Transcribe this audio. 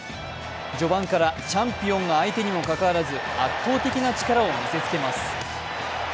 序盤からチャンピオンが相手にもかかわらず、圧倒的な力を見せつけます。